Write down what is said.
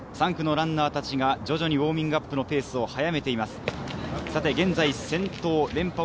３区のランナーたちが徐々にウオーミングアップのペースを速めています。